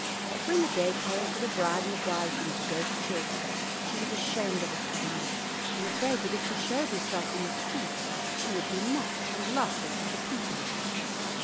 When the day came for the bride and the bridegroom to go to church, she was ashamed of her ugliness, and afraid that if she showed herself in the streets, she would be mocked and laughed at by the people.